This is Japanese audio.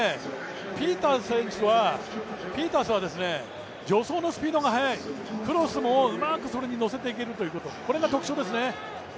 やはりピータースは助走のスピードが速い、クロスもうまくそれに乗せていけることが特徴ですね。